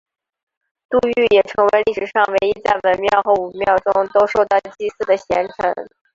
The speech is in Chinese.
杜预也成为历史上唯一在文庙和武庙中都受到祭祀的贤臣。